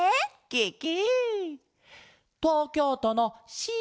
ケケ！